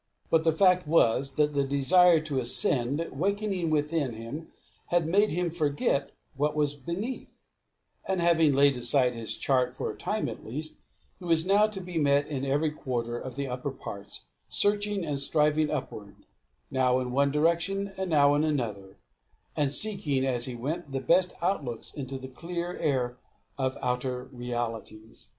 But the fact was, that the desire to ascend wakening within him had made him forget what was beneath; and having laid aside his chart for a time at least, he was now to be met in every quarter of the upper parts, searching and striving upward, now in one direction, now in another; and seeking, as he went, the best outlooks into the clear air of outer realities.